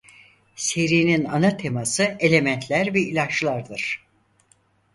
Serinin ana teması elementler ve ilaçlardır.